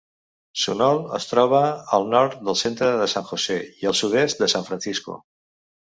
Sunol es troba al nord del centre de San Jose i al sud-est de San Francisco.